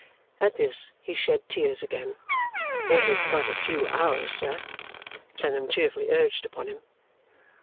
At this he shed tears again. 'It is but a few hours, sir,' Clennam cheerfully urged upon him.